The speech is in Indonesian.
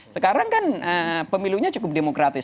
sekarang kan pemilunya cukup demokratis